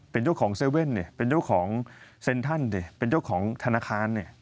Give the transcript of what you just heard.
เป็นเจ้าของเซเว่นเป็นเจ้าของเซ็นทันเป็นเจ้าของธนาคาร